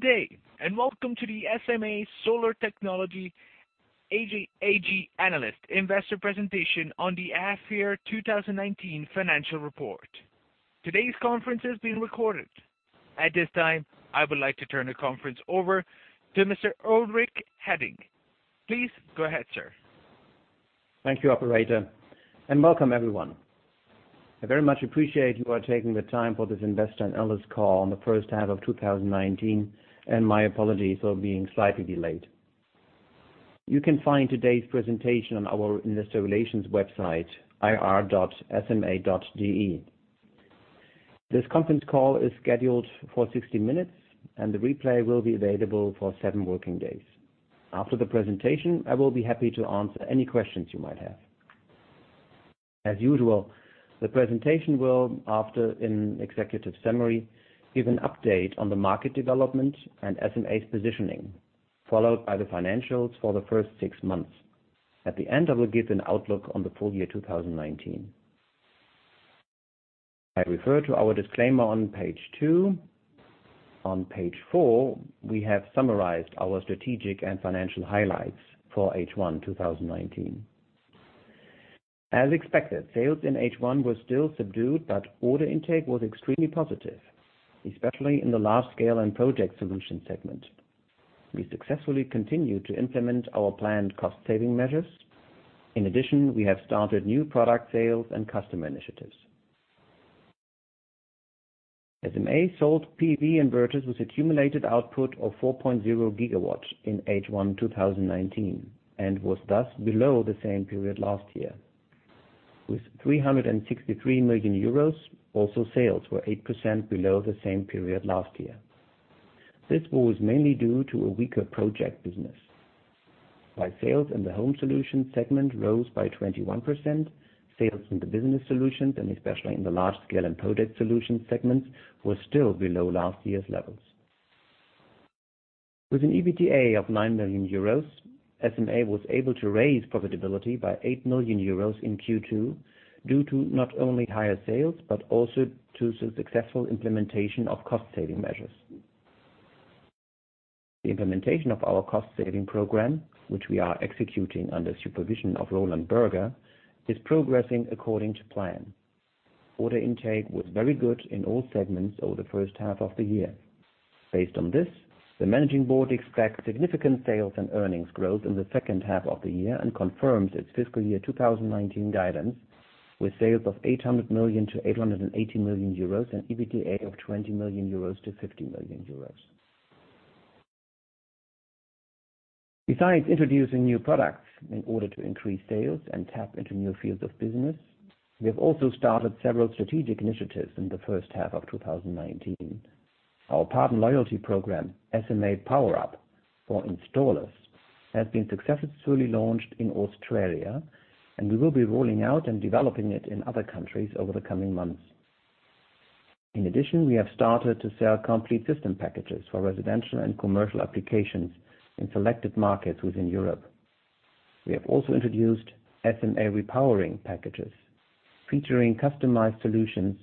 Good day and welcome to the SMA Solar Technology AG Analyst Investor Presentation on the FY 2019 Financial Report. Today's conference is being recorded. At this time, I would like to turn the conference over to Mr. Ulrich Hettich. Please go ahead, sir. Thank you, operator, and welcome everyone. I very much appreciate you are taking the time for this investor and analyst call on the first half of 2019, and my apologies for being slightly delayed. You can find today's presentation on our investor relations website, ir.sma.de. This conference call is scheduled for 60 minutes, and the replay will be available for seven working days. After the presentation, I will be happy to answer any questions you might have. As usual, the presentation will, after an executive summary, give an update on the market development and SMA's positioning, followed by the financials for the first six months. At the end, I will give an outlook on the full year 2019. I refer to our disclaimer on page two. On page four, we have summarized our strategic and financial highlights for H1 2019. As expected, sales in H1 were still subdued, but order intake was extremely positive, especially in the Large Scale and Project Solutions segment. We successfully continued to implement our planned cost-saving measures. We have started new product sales and customer initiatives. SMA sold PV inverters with accumulated output of 4.0 gigawatts in H1 2019 and was thus below the same period last year. With 363 million euros, also sales were 8% below the same period last year. This was mainly due to a weaker project business. While sales in the Home Solutions segment rose by 21%, sales in the Business Solutions and especially in the Large Scale and Project Solutions segments were still below last year's levels. With an EBITDA of 9 million euros, SMA was able to raise profitability by 8 million euros in Q2 due to not only higher sales, but also to the successful implementation of cost-saving measures. The implementation of our cost-saving program, which we are executing under supervision of Roland Berger, is progressing according to plan. Order intake was very good in all segments over the first half of the year. Based on this, the managing board expects significant sales and earnings growth in the second half of the year and confirms its fiscal year 2019 guidance with sales of 800 million-880 million euros and EBITDA of 20 million-50 million euros. Besides introducing new products in order to increase sales and tap into new fields of business, we have also started several strategic initiatives in the first half of 2019. Our partner loyalty program, SMA PowerUP for installers, has been successfully launched in Australia, and we will be rolling out and developing it in other countries over the coming months. In addition, we have started to sell complete system packages for residential and commercial applications in selected markets within Europe. We have also introduced SMA Repowering packages, featuring customized solutions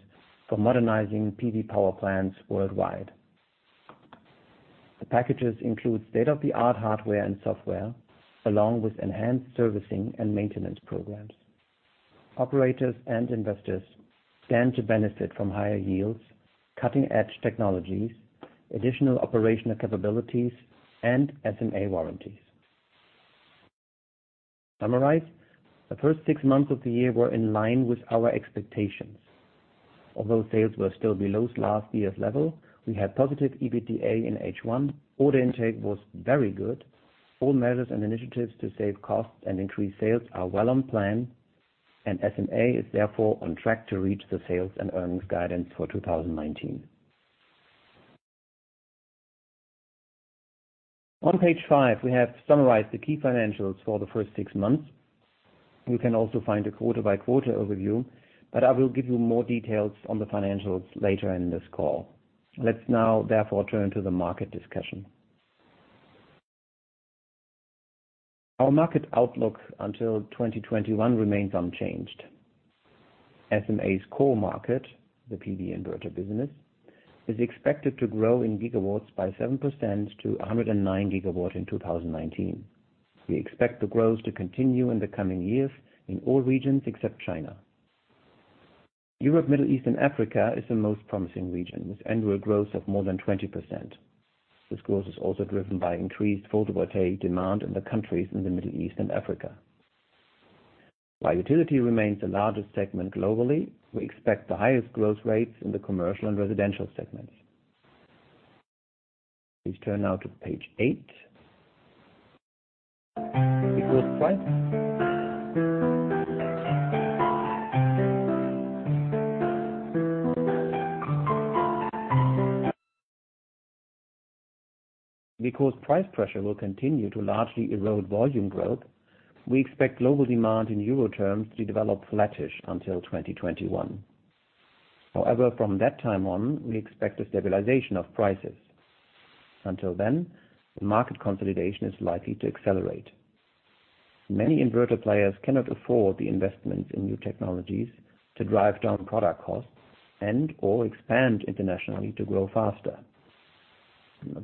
for modernizing PV power plants worldwide. The packages include state-of-the-art hardware and software, along with enhanced servicing and maintenance programs. Operators and investors stand to benefit from higher yields, cutting-edge technologies, additional operational capabilities, and SMA warranties. Summarized, the first six months of the year were in line with our expectations. Although sales were still below last year's level, we had positive EBITDA in H1, order intake was very good. SMA is therefore on track to reach the sales and earnings guidance for 2019. On page five, we have summarized the key financials for the first six months. You can also find a quarter-by-quarter overview, but I will give you more details on the financials later in this call. Let's now therefore turn to the market discussion. Our market outlook until 2021 remains unchanged. SMA's core market, the PV inverter business, is expected to grow in gigawatts by 7% to 109 gigawatt in 2019. We expect the growth to continue in the coming years in all regions except China. Europe, Middle East and Africa is the most promising region, with annual growth of more than 20%. This growth is also driven by increased photovoltaic demand in the countries in the Middle East and Africa. While utility remains the largest segment globally, we expect the highest growth rates in the commercial and residential segments. Please turn now to page eight. Price pressure will continue to largely erode volume growth, we expect global demand in EUR terms to develop flattish until 2021. From that time on, we expect a stabilization of prices. Until then, the market consolidation is likely to accelerate. Many inverter players cannot afford the investments in new technologies to drive down product costs and/or expand internationally to grow faster.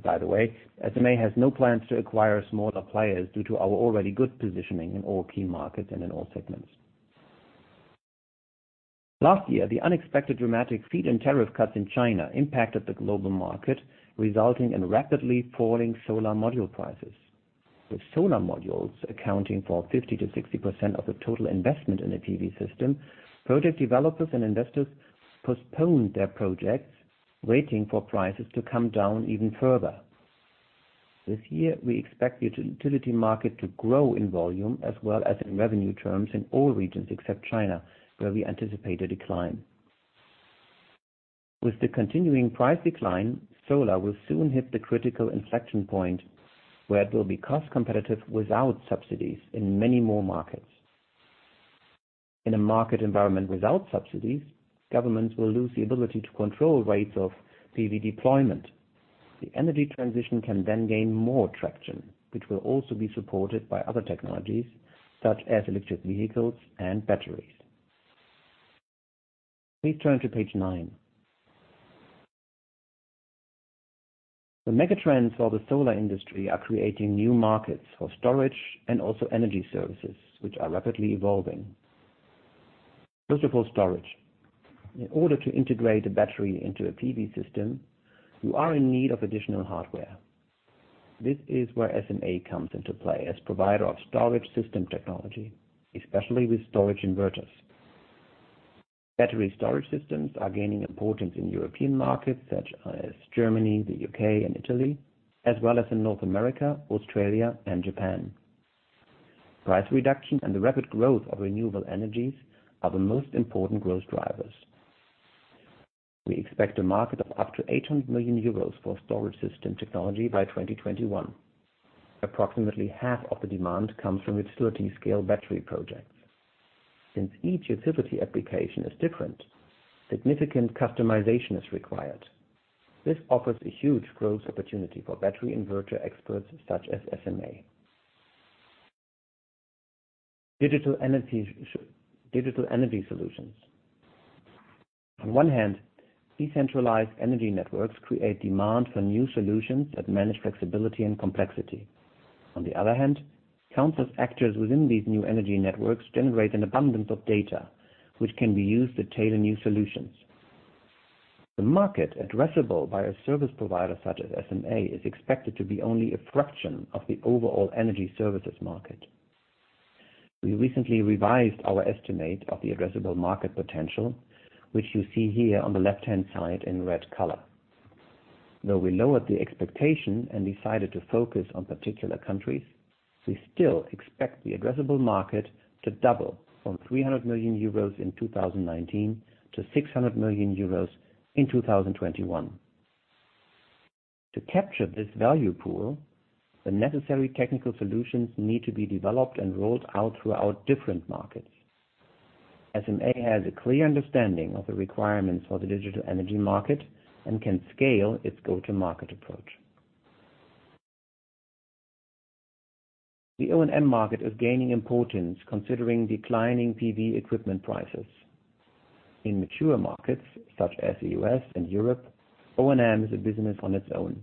By the way, SMA has no plans to acquire smaller players due to our already good positioning in all key markets and in all segments. Last year, the unexpected dramatic feed-in tariff cuts in China impacted the global market, resulting in rapidly falling solar module prices. With solar modules accounting for 50%-60% of the total investment in a PV system, project developers and investors postponed their projects, waiting for prices to come down even further. This year, we expect the utility market to grow in volume as well as in revenue terms in all regions except China, where we anticipate a decline. With the continuing price decline, solar will soon hit the critical inflection point where it will be cost competitive without subsidies in many more markets. In a market environment without subsidies, governments will lose the ability to control rates of PV deployment. The energy transition can then gain more traction, which will also be supported by other technologies such as electric vehicles and batteries. Please turn to page nine. The megatrends for the solar industry are creating new markets for storage and also energy services, which are rapidly evolving. First of all, storage. In order to integrate a battery into a PV system, you are in need of additional hardware. This is where SMA comes into play as provider of storage system technology, especially with storage inverters. Battery storage systems are gaining importance in European markets such as Germany, the U.K., and Italy, as well as in North America, Australia, and Japan. Price reduction and the rapid growth of renewable energies are the most important growth drivers. We expect a market of up to 800 million euros for storage system technology by 2021. Approximately half of the demand comes from utility-scale battery projects. Since each utility application is different, significant customization is required. This offers a huge growth opportunity for battery inverter experts such as SMA. Digital energy solutions. On one hand, decentralized energy networks create demand for new solutions that manage flexibility and complexity. On the other hand, countless actors within these new energy networks generate an abundance of data, which can be used to tailor new solutions. The market addressable by a service provider such as SMA is expected to be only a fraction of the overall energy services market. We recently revised our estimate of the addressable market potential, which you see here on the left-hand side in red color. Though we lowered the expectation and decided to focus on particular countries, we still expect the addressable market to double from 300 million euros in 2019 to 600 million euros in 2021. To capture this value pool, the necessary technical solutions need to be developed and rolled out throughout different markets. SMA has a clear understanding of the requirements for the digital energy market and can scale its go-to-market approach. The O&M market is gaining importance considering declining PV equipment prices. In mature markets such as the U.S. and Europe, O&M is a business on its own.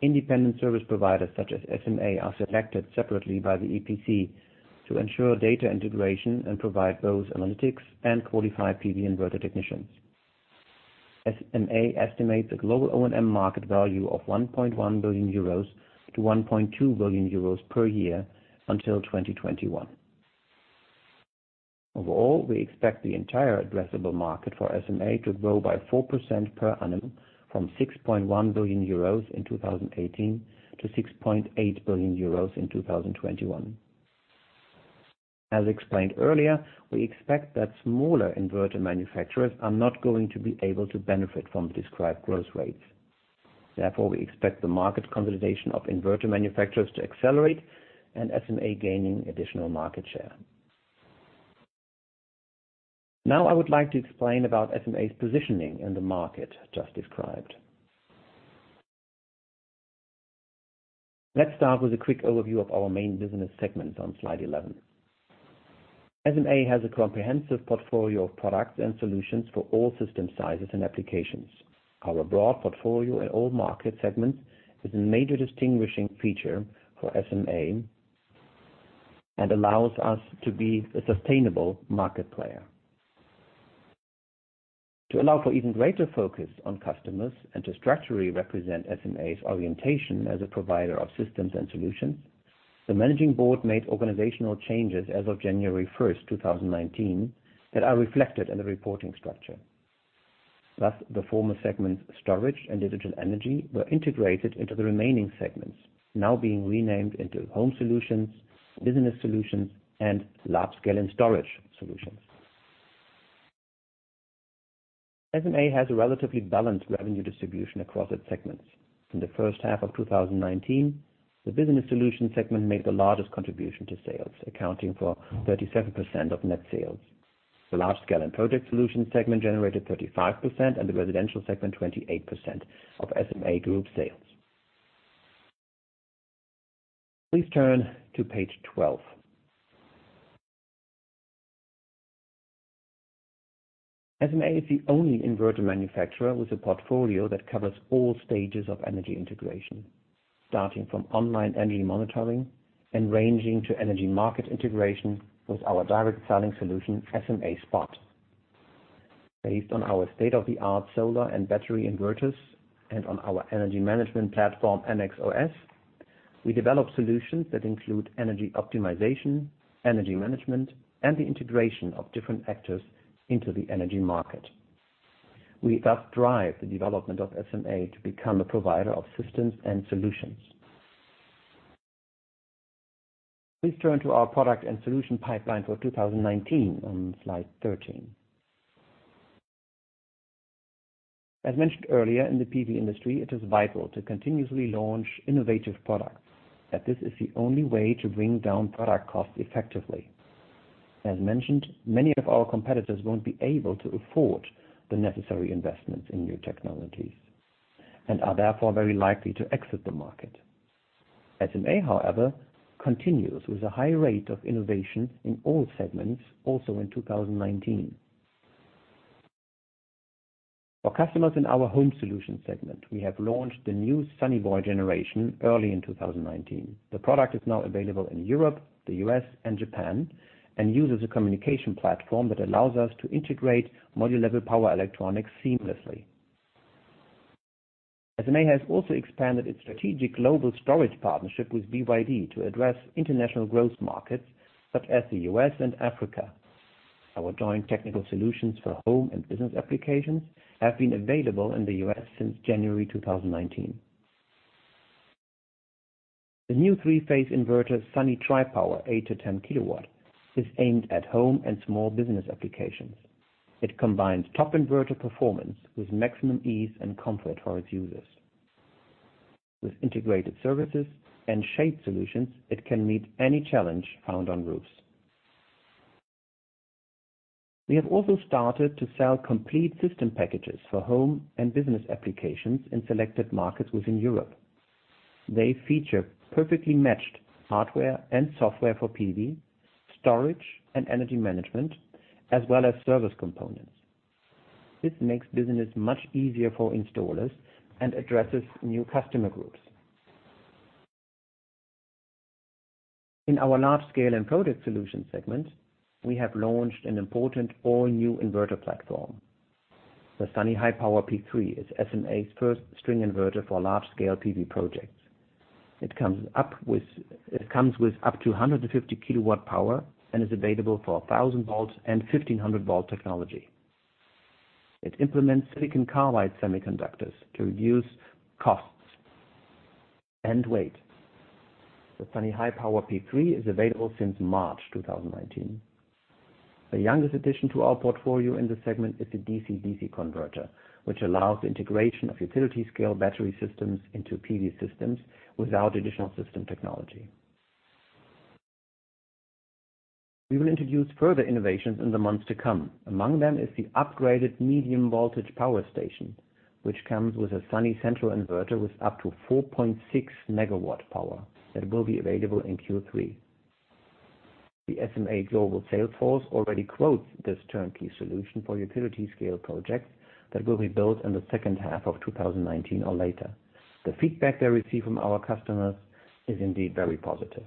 Independent service providers such as SMA are selected separately by the EPC to ensure data integration and provide both analytics and qualified PV inverter technicians. SMA estimates a global O&M market value of 1.1 billion-1.2 billion euros per year until 2021. Overall, we expect the entire addressable market for SMA to grow by 4% per annum from 6.1 billion euros in 2018 to 6.8 billion euros in 2021. As explained earlier, we expect that smaller inverter manufacturers are not going to be able to benefit from the described growth rates. Therefore, we expect the market consolidation of inverter manufacturers to accelerate and SMA gaining additional market share. Now I would like to explain about SMA's positioning in the market just described. Let's start with a quick overview of our main business segments on slide 11. SMA has a comprehensive portfolio of products and solutions for all system sizes and applications. Our broad portfolio in all market segments is a major distinguishing feature for SMA and allows us to be a sustainable market player. To allow for even greater focus on customers and to structurally represent SMA's orientation as a provider of systems and solutions, the managing board made organizational changes as of January 1st, 2019, that are reflected in the reporting structure. The former segments storage and digital energy were integrated into the remaining segments, now being renamed into Home Solutions, Business Solutions, and Large-Scale and Storage Solutions. SMA has a relatively balanced revenue distribution across its segments. In the first half of 2019, the business solution segment made the largest contribution to sales, accounting for 37% of net sales. The large-scale and project solutions segment generated 35%, and the residential segment 28%, of SMA Group sales. Please turn to page 12. SMA is the only inverter manufacturer with a portfolio that covers all stages of energy integration, starting from online energy monitoring and ranging to energy market integration with our direct selling solution, SMA SPOT. Based on our state-of-the-art solar and battery inverters and on our energy management platform, ennexOS, we develop solutions that include energy optimization, energy management, and the integration of different actors into the energy market. We thus drive the development of SMA to become a provider of systems and solutions. Please turn to our product and solution pipeline for 2019 on slide 13. As mentioned earlier, in the PV industry, it is vital to continuously launch innovative products, as this is the only way to bring down product cost effectively. As mentioned, many of our competitors won't be able to afford the necessary investments in new technologies and are therefore very likely to exit the market. SMA, however, continues with a high rate of innovation in all segments, also in 2019. For customers in our home solution segment, we have launched the new Sunny Boy generation early in 2019. The product is now available in Europe, the U.S., and Japan, and uses a communication platform that allows us to integrate module-level power electronics seamlessly. SMA has also expanded its strategic global storage partnership with BYD to address international growth markets, such as the U.S. and Africa. Our joint technical solutions for home and business applications have been available in the U.S. since January 2019. The new three-phase inverter Sunny Tripower eight to 10 kilowatt is aimed at home and small business applications. It combines top inverter performance with maximum ease and comfort for its users. With integrated services and shade solutions, it can meet any challenge found on roofs. We have also started to sell complete system packages for home and business applications in selected markets within Europe. They feature perfectly matched hardware and software for PV, storage, and energy management, as well as service components. This makes business much easier for installers and addresses new customer groups. In our large-scale and project solutions segment, we have launched an important all-new inverter platform. The Sunny Highpower PEAK3 is SMA's first string inverter for large-scale PV projects. It comes with up to 150 kilowatt power and is available for 1,000 volts and 1,500 volt technology. It implements silicon carbide semiconductors to reduce costs and weight. The Sunny Highpower PEAK3 is available since March 2019. The youngest addition to our portfolio in this segment is the DC-DC converter, which allows the integration of utility scale battery systems into PV systems without additional system technology. We will introduce further innovations in the months to come. Among them is the upgraded medium voltage power station, which comes with a Sunny Central inverter with up to 4.6 megawatt power that will be available in Q3. The SMA global sales force already quotes this turnkey solution for utility scale projects that will be built in the second half of 2019 or later. The feedback they receive from our customers is indeed very positive.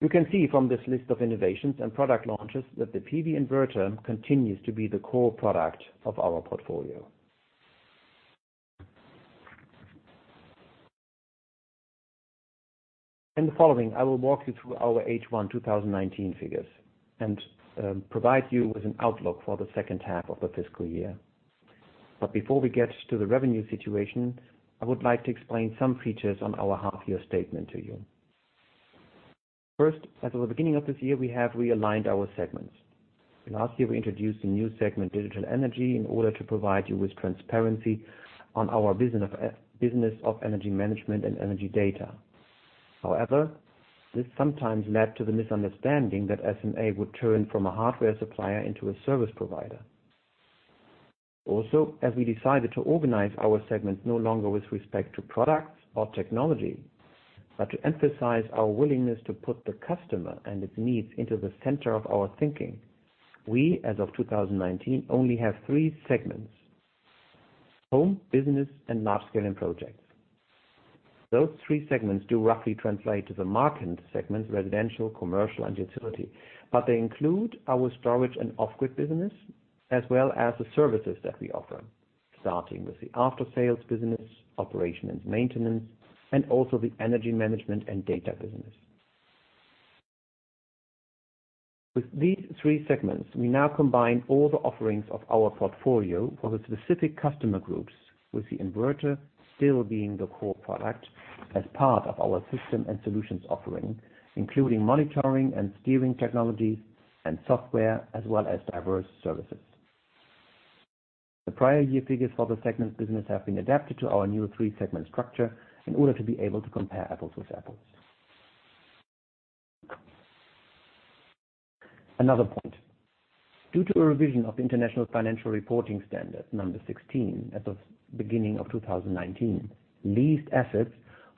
You can see from this list of innovations and product launches that the PV inverter continues to be the core product of our portfolio. In the following, I will walk you through our H1 2019 figures and provide you with an outlook for the second half of the fiscal year. Before we get to the revenue situation, I would like to explain some features on our half year statement to you. First, as of the beginning of this year, we have realigned our segments. Last year, we introduced a new segment, digital energy, in order to provide you with transparency on our business of energy management and energy data. However, this sometimes led to the misunderstanding that SMA would turn from a hardware supplier into a service provider. As we decided to organize our segments no longer with respect to products or technology, but to emphasize our willingness to put the customer and its needs into the center of our thinking, we, as of 2019, only have three segments: home, business, and large-scale and projects. Those three segments do roughly translate to the market segments, residential, commercial, and utility, but they include our storage and off-grid business as well as the services that we offer, starting with the after-sales business, operation and maintenance, and also the energy management and data business. With these three segments, we now combine all the offerings of our portfolio for the specific customer groups, with the inverter still being the core product as part of our system and solutions offering, including monitoring and steering technology and software, as well as diverse services. The prior year figures for the segments business have been adapted to our new three-segment structure in order to be able to compare apples with apples. Due to a revision of International Financial Reporting Standard 16 at the beginning of 2019, leased assets,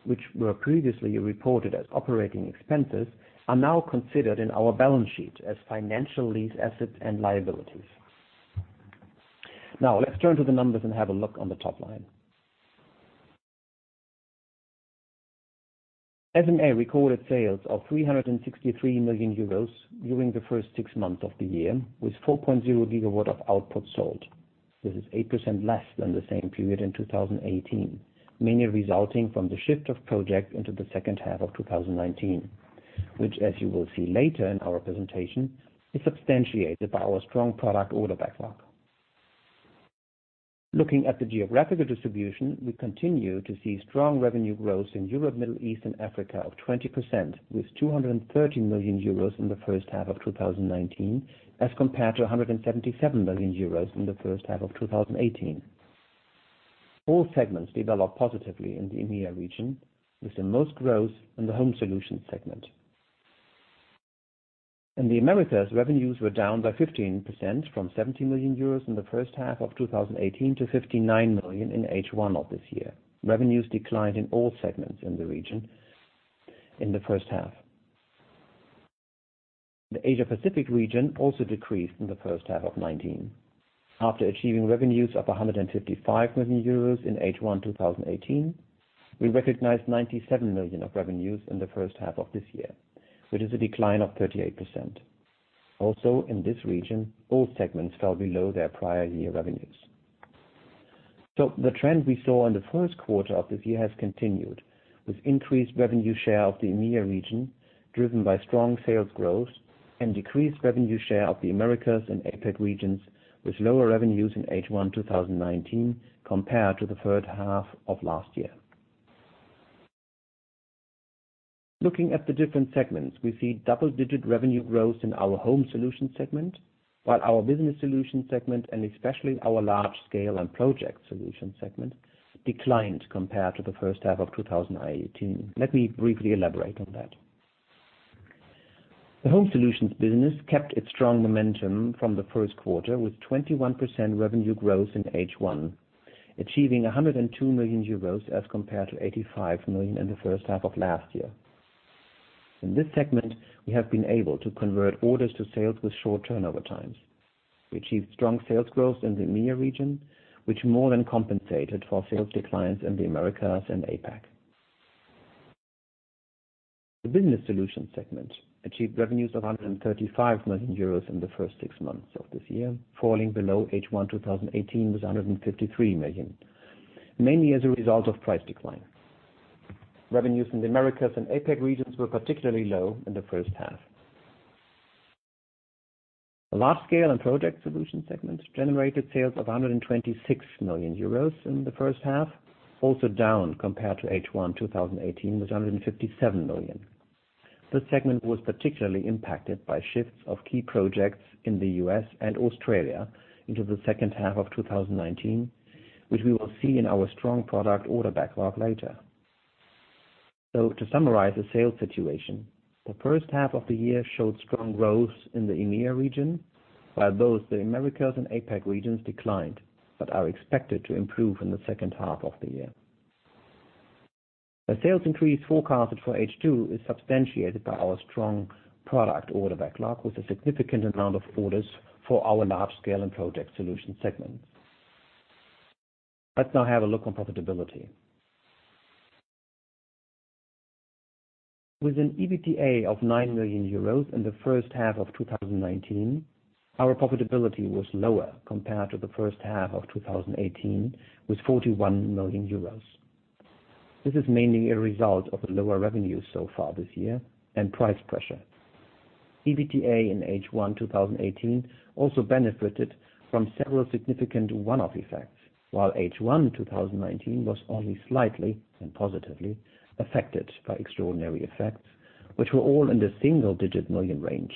which were previously reported as operating expenses, are now considered in our balance sheet as financial lease assets and liabilities. Let's turn to the numbers and have a look on the top line. SMA recorded sales of 363 million euros during the first six months of the year, with 4.0 gigawatts of output sold. This is 8% less than the same period in 2018, mainly resulting from the shift of project into the second half of 2019, which, as you will see later in our presentation, is substantiated by our strong product order backlog. Looking at the geographical distribution, we continue to see strong revenue growth in Europe, Middle East, and Africa of 20%, with 230 million euros in the first half of 2019, as compared to 177 million euros in the first half of 2018. All segments developed positively in the EMEA region, with the most growth in the Home Solution segment. In the Americas, revenues were down by 15%, from 70 million euros in the first half of 2018 to 59 million in H1 of this year. Revenues declined in all segments in the region in the first half. The Asia-Pacific region also decreased in the first half of 2019. After achieving revenues of 155 million euros in H1 2018, we recognized 97 million of revenues in the first half of this year, which is a decline of 38%. In this region, all segments fell below their prior year revenues. The trend we saw in the first quarter of this year has continued, with increased revenue share of the EMEA region, driven by strong sales growth and decreased revenue share of the Americas and APAC regions, with lower revenues in H1 2019 compared to the first half of last year. Looking at the different segments, we see double-digit revenue growth in our Home Solution segment, while our Business Solution segment, and especially our Large Scale and Project Solution segment, declined compared to the first half of 2018. Let me briefly elaborate on that. The Home Solutions business kept its strong momentum from the first quarter with 21% revenue growth in H1, achieving 102 million euros as compared to 85 million in the first half of last year. In this segment, we have been able to convert orders to sales with short turnover times. We achieved strong sales growth in the EMEA region, which more than compensated for sales declines in the Americas and APAC. The Business Solution segment achieved revenues of 135 million euros in the first six months of this year, falling below H1-2018 with 153 million, mainly as a result of price decline. Revenues in the Americas and APAC regions were particularly low in the first half. The Large Scale and Project Solution segments generated sales of 126 million euros in the first half, also down compared to H1-2018 with 157 million. This segment was particularly impacted by shifts of key projects in the U.S. and Australia into the second half of 2019, which we will see in our strong product order backlog later. To summarize the sales situation, the first half of the year showed strong growth in the EMEA region, while both the Americas and APAC regions declined but are expected to improve in the second half of the year. The sales increase forecasted for H2 is substantiated by our strong product order backlog, with a significant amount of orders for our Large Scale and Project Solution segment. Let's now have a look on profitability. With an EBITDA of 9 million euros in the first half of 2019, our profitability was lower compared to the first half of 2018, with 41 million euros. This is mainly a result of the lower revenues so far this year and price pressure. EBITDA in H1-2018 also benefited from several significant one-off effects, while H1-2019 was only slightly and positively affected by extraordinary effects, which were all in the single-digit million range.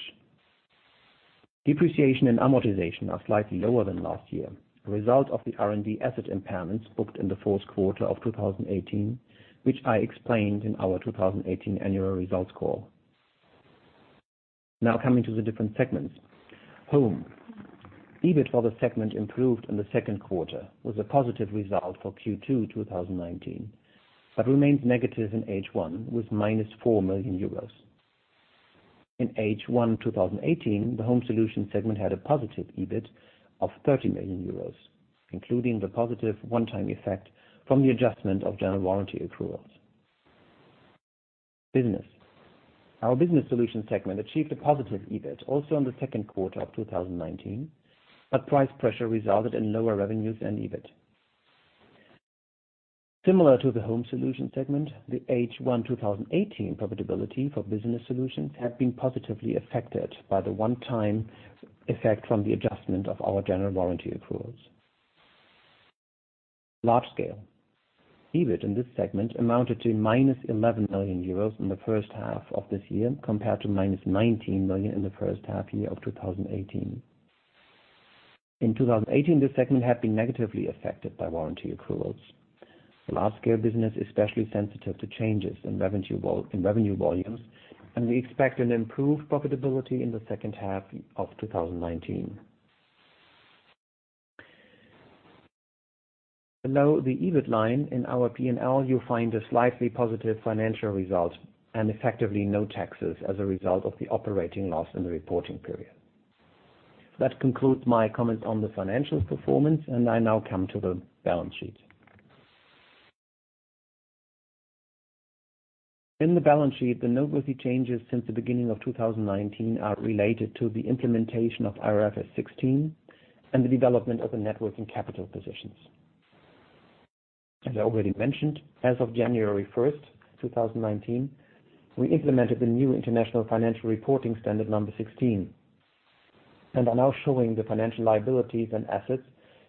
Depreciation and amortization are slightly lower than last year, a result of the R&D asset impairments booked in the fourth quarter of 2018, which I explained in our 2018 annual results call. Now coming to the different segments. Home. EBIT for the segment improved in the second quarter with a positive result for Q2 2019, but remains negative in H1 with minus EUR 4 million. In H1-2018, the Home Solution segment had a positive EBIT of 30 million euros, including the positive one-time effect from the adjustment of general warranty accruals. Business. Our Business Solution segment achieved a positive EBIT also in the second quarter of 2019, but price pressure resulted in lower revenues and EBIT. Similar to the Home Solution segment, the H1 2018 profitability for Business Solutions had been positively affected by the one-time effect from the adjustment of our general warranty accruals. Large scale. EBIT in this segment amounted to minus 11 million euros in the first half of this year, compared to minus 19 million in the first half year of 2018. In 2018, this segment had been negatively affected by warranty accruals. The large-scale business especially sensitive to changes in revenue volumes. We expect an improved profitability in the second half of 2019. Below the EBIT line in our P&L, you'll find a slightly positive financial result and effectively no taxes as a result of the operating loss in the reporting period. That concludes my comments on the financial performance. I now come to the balance sheet. In the balance sheet, the noteworthy changes since the beginning of 2019 are related to the implementation of IFRS 16 and the development of the net working capital positions. As I already mentioned, as of January 1st, 2019, we implemented the new international financial reporting standard number 16 and are now showing the financial liabilities and assets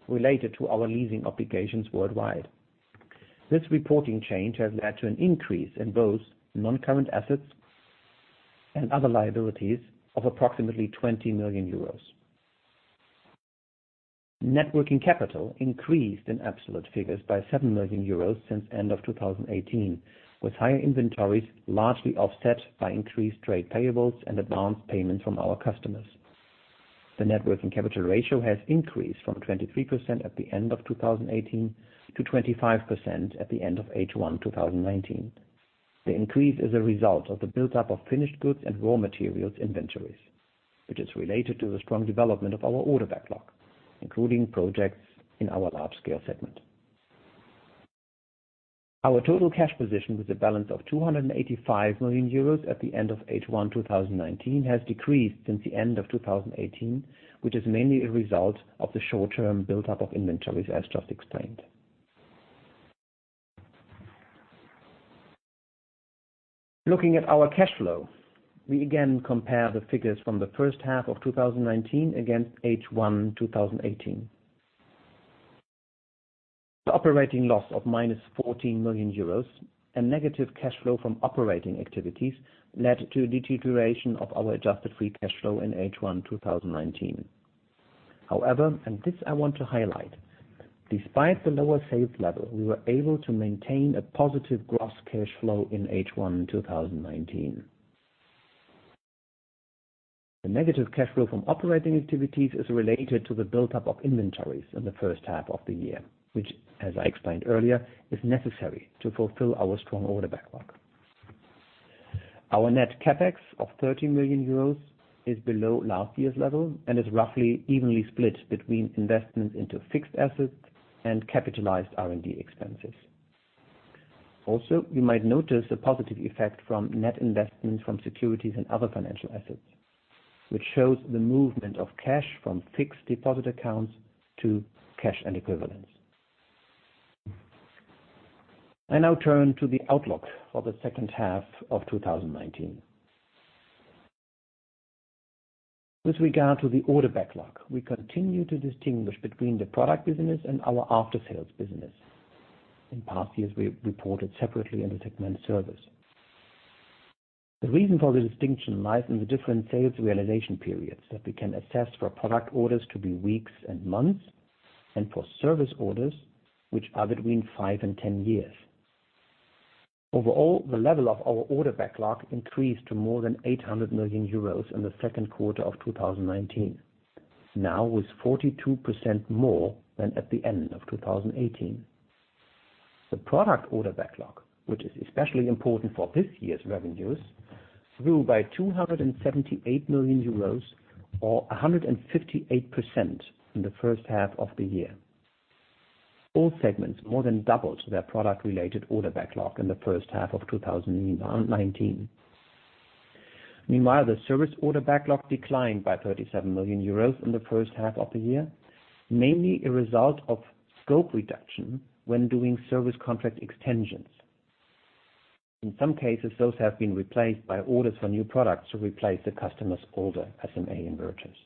related to our leasing obligations worldwide. This reporting change has led to an increase in both non-current assets and other liabilities of approximately 20 million euros. Net working capital increased in absolute figures by 7 million euros since end of 2018, with higher inventories largely offset by increased trade payables and advanced payments from our customers. The net working capital ratio has increased from 23% at the end of 2018 to 25% at the end of H1, 2019. The increase is a result of the buildup of finished goods and raw materials inventories, which is related to the strong development of our order backlog, including projects in our large scale segment. Our total cash position, with a balance of 285 million euros at the end of H1, 2019, has decreased since the end of 2018, which is mainly a result of the short-term buildup of inventories as just explained. Looking at our cash flow, we again compare the figures from the first half of 2019 against H1, 2018. The operating loss of minus 14 million euros and negative cash flow from operating activities led to deterioration of our adjusted free cash flow in H1, 2019. This I want to highlight. Despite the lower sales level, we were able to maintain a positive gross cash flow in H1, 2019. The negative cash flow from operating activities is related to the buildup of inventories in the first half of the year, which, as I explained earlier, is necessary to fulfill our strong order backlog. Our net CapEx of 30 million euros is below last year's level and is roughly evenly split between investments into fixed assets and capitalized R&D expenses. You might notice a positive effect from net investments from securities and other financial assets, which shows the movement of cash from fixed deposit accounts to cash and equivalents. I now turn to the outlook for the second half of 2019. With regard to the order backlog, we continue to distinguish between the product business and our aftersales business. In past years, we reported separately under segment service. The reason for the distinction lies in the different sales realization periods that we can assess for product orders to be weeks and months, and for service orders, which are between five and 10 years. Overall, the level of our order backlog increased to more than 800 million euros in the second quarter of 2019. Now with 42% more than at the end of 2018. The product order backlog, which is especially important for this year's revenues, grew by 278 million euros or 158% in the first half of the year. All segments more than doubled their product-related order backlog in the first half of 2019. Meanwhile, the service order backlog declined by 37 million euros in the first half of the year, mainly a result of scope reduction when doing service contract extensions. In some cases, those have been replaced by orders for new products to replace the customer's older SMA inverters.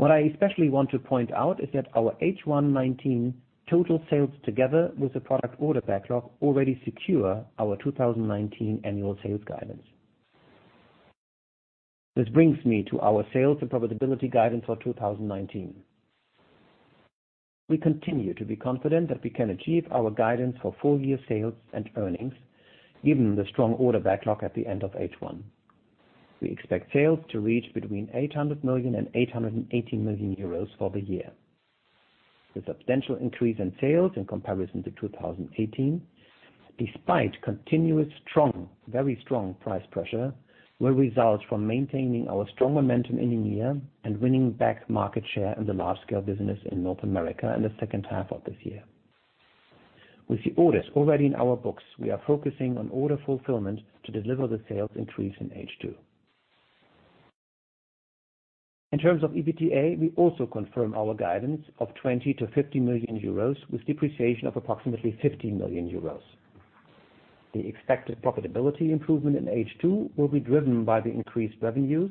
What I especially want to point out is that our H1 2019 total sales, together with the product order backlog, already secure our 2019 annual sales guidance. This brings me to our sales and profitability guidance for 2019. We continue to be confident that we can achieve our guidance for full-year sales and earnings, given the strong order backlog at the end of H1. We expect sales to reach between 800 million and 880 million euros for the year. The substantial increase in sales in comparison to 2018, despite continuous strong, very strong price pressure, will result from maintaining our strong momentum in India and winning back market share in the large-scale business in North America in the second half of this year. With the orders already in our books, we are focusing on order fulfillment to deliver the sales increase in H2. In terms of EBITDA, we also confirm our guidance of 20 million-50 million euros, with depreciation of approximately 50 million euros. The expected profitability improvement in H2 will be driven by the increased revenues,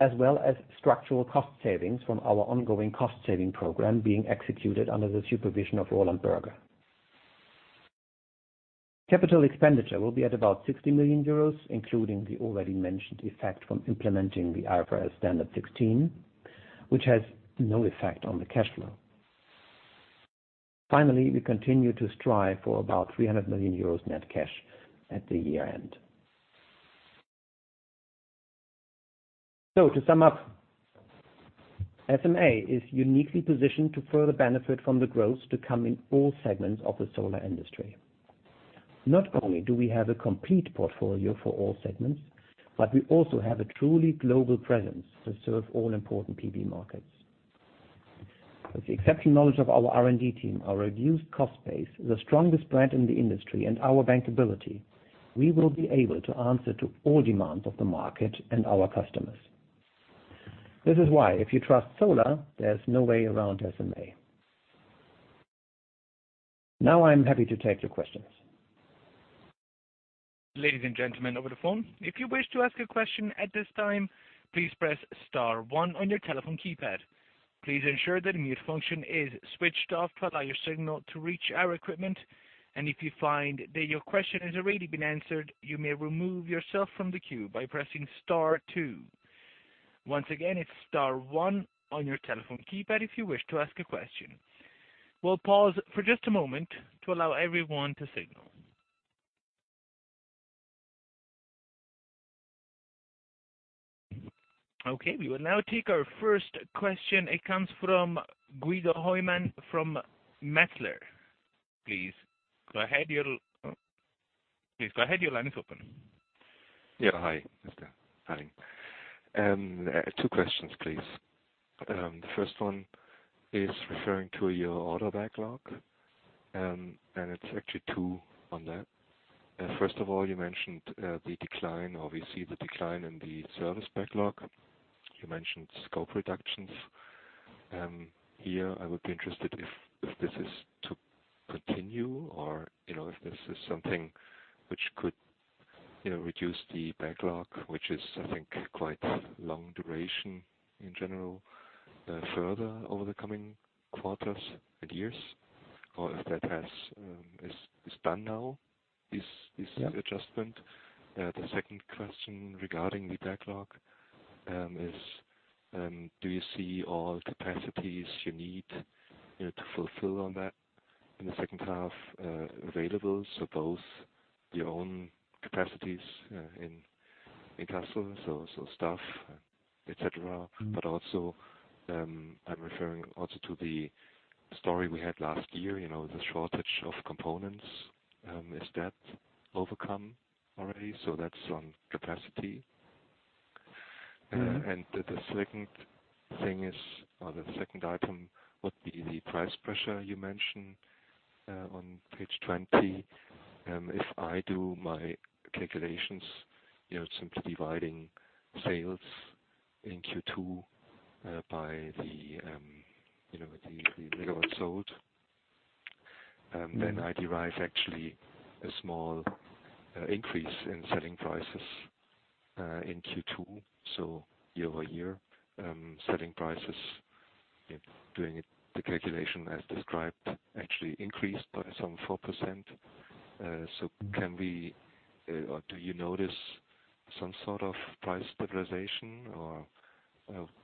as well as structural cost savings from our ongoing cost-saving program being executed under the supervision of Roland Berger. Capital expenditure will be at about 60 million euros, including the already mentioned effect from implementing the IFRS 16, which has no effect on the cash flow. We continue to strive for about 300 million euros net cash at the year-end. To sum up, SMA is uniquely positioned to further benefit from the growth to come in all segments of the solar industry. Not only do we have a complete portfolio for all segments, but we also have a truly global presence to serve all important PV markets. With the exceptional knowledge of our R&D team, our reduced cost base, the strongest brand in the industry, and our bankability, we will be able to answer to all demands of the market and our customers. This is why, if you trust solar, there's no way around SMA. Now I'm happy to take the questions. Ladies and gentlemen, over the phone, if you wish to ask a question at this time, please press star one on your telephone keypad. Please ensure that mute function is switched off to allow your signal to reach our equipment. If you find that your question has already been answered, you may remove yourself from the queue by pressing star two. Once again, it's star one on your telephone keypad if you wish to ask a question. We'll pause for just a moment to allow everyone to signal. Okay, we will now take our first question. It comes from Guido Hoymann from Metzler. Please go ahead, your line is open. Yeah. Hi. Two questions, please. The first one is referring to your order backlog, and it is actually two on that. First of all, you mentioned the decline, obviously the decline in the service backlog. You mentioned scope reductions. Here I would be interested if this is to continue or if this is something which could reduce the backlog, which is, I think, quite long duration in general, further over the coming quarters and years, or if that is done now, this adjustment. The second question regarding the backlog is, do you see all capacities you need to fulfill on that in the second half available? Both your own capacities in Kassel, staff, et cetera. Also, I am referring to the story we had last year, the shortage of components. Is that overcome already? That is on capacity. The second item would be the price pressure you mentioned on page 20. If I do my calculations, simply dividing sales in Q2 by the gigawatts sold, I derive actually a small increase in selling prices in Q2. Year-over-year, selling prices, doing the calculation as described, actually increased by some 4%. Do you notice some sort of price stabilization, or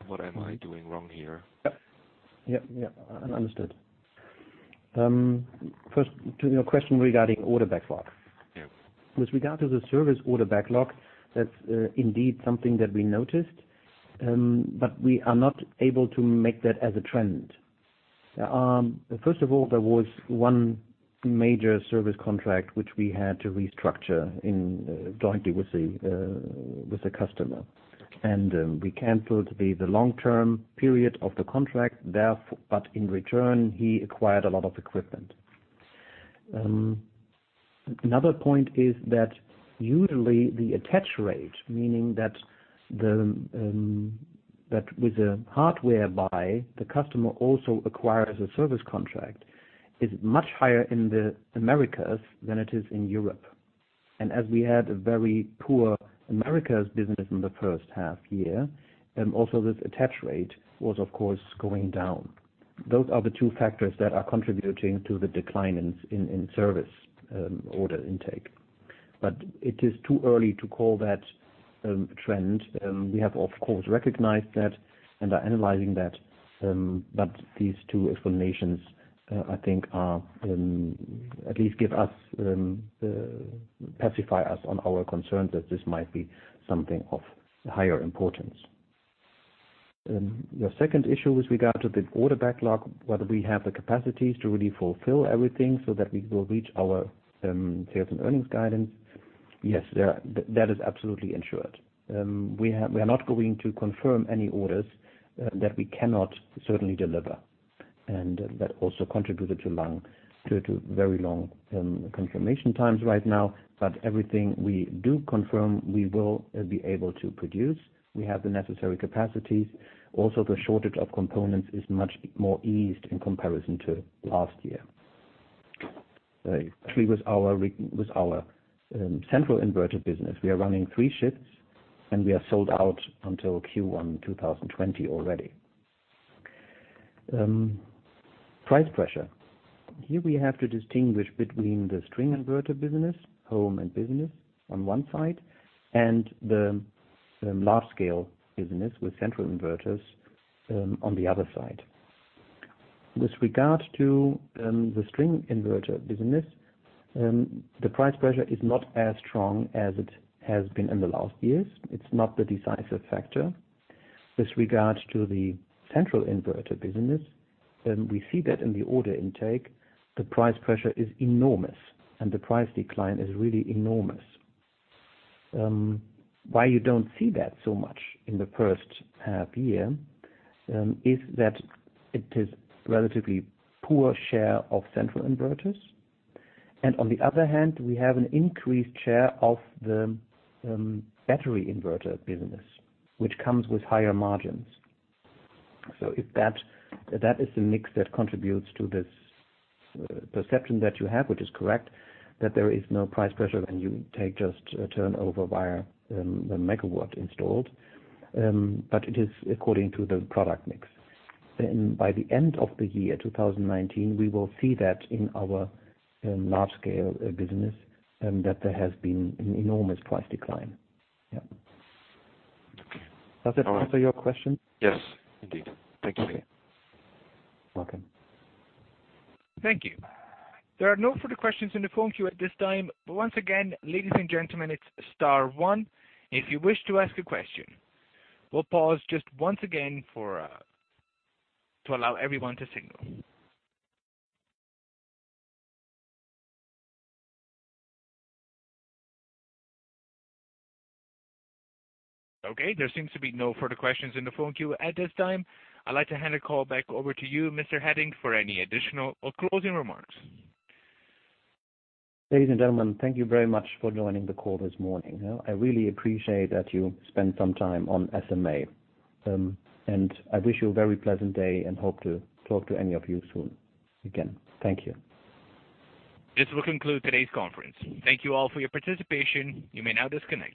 what am I doing wrong here? Yeah. Understood. First, to your question regarding order backlog. Yeah. With regard to the service order backlog, that's indeed something that we noticed, but we are not able to make that as a trend. First of all, there was one major service contract which we had to restructure jointly with the customer, and we canceled the long-term period of the contract, but in return, he acquired a lot of equipment. Another point is that usually the attach rate, meaning that with the hardware buy, the customer also acquires a service contract, is much higher in the Americas than it is in Europe. As we had a very poor Americas business in the first half year, also this attach rate was, of course, going down. Those are the two factors that are contributing to the decline in service order intake. It is too early to call that a trend. We have, of course, recognized that and are analyzing that. These two explanations, I think, at least pacify us on our concerns that this might be something of higher importance. Your second issue with regard to the order backlog, whether we have the capacities to really fulfill everything so that we will reach our sales and earnings guidance. Yes, that is absolutely ensured. We are not going to confirm any orders that we cannot certainly deliver, and that also contributed to very long confirmation times right now. Everything we do confirm, we will be able to produce. We have the necessary capacities. Also, the shortage of components is much more eased in comparison to last year, especially with our central inverter business. We are running three shifts and we are sold out until Q1 2020 already. Price pressure. Here we have to distinguish between the string inverter business, home and business on one side and the large-scale business with central inverters on the other side. With regard to the string inverter business, the price pressure is not as strong as it has been in the last years. It's not the decisive factor. With regards to the central inverter business, we see that in the order intake, the price pressure is enormous and the price decline is really enormous. Why you don't see that so much in the first half year is that it is relatively poor share of central inverters. On the other hand, we have an increased share of the battery inverter business, which comes with higher margins. That is the mix that contributes to this perception that you have, which is correct, that there is no price pressure when you take just a turnover via the megawatt installed. It is according to the product mix. By the end of the year 2019, we will see that in our large-scale business that there has been an enormous price decline. Yeah. Does that answer your question? Yes, indeed. Thank you. Welcome. Thank you. There are no further questions in the phone queue at this time, but once again, ladies and gentlemen, it's star one if you wish to ask a question. We'll pause just once again to allow everyone to signal. Okay, there seems to be no further questions in the phone queue at this time. I'd like to hand the call back over to you, Mr. Hettich, for any additional or closing remarks. Ladies and gentlemen, thank you very much for joining the call this morning. I really appreciate that you spent some time on SMA. I wish you a very pleasant day and hope to talk to any of you soon again. Thank you. This will conclude today's conference. Thank you all for your participation. You may now disconnect.